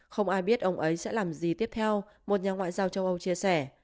không ai biết ông ấy sẽ làm gì tiếp theo một nhà ngoại giao châu âu chia sẻ